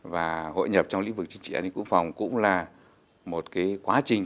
và hội nhập trong lĩnh vực chính trị an ninh quốc phòng cũng là một quá trình